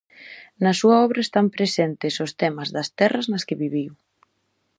Na súa obra están presentes os temas das terras nas que viviu.